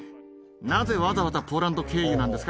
なぜわざわざポーランド経由なんですか？